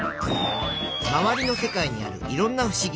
まわりの世界にあるいろんなふしぎ。